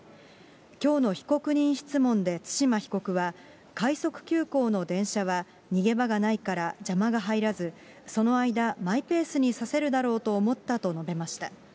きょうの被告人質問で対馬被告は、快速急行の電車は、逃げ場がないから邪魔が入らず、その間、マイペースに刺せるだろうと思ったと述べました。